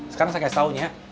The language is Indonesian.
sekarang saya kasih tau ya